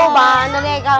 banteng ya heka